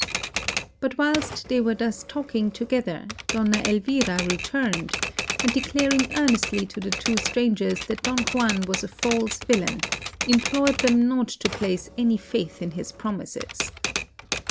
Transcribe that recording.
But whilst they were thus talking together, Donna Elvira returned, and declaring earnestly to the two strangers that Don Juan was a false villain, implored them not to place any faith in his promises.